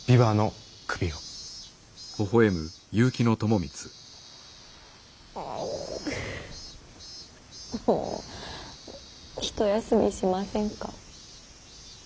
もう一休みしませんか。